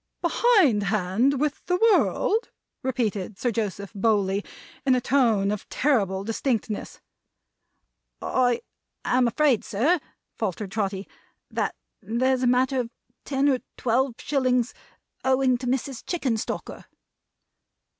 "Behind hand with the world!" repeated Sir Joseph Bowley, in a tone of terrible distinctness. "I am afraid, sir," faltered Trotty, "that there's a matter of ten or twelve shillings owing to Mrs. Chickenstalker."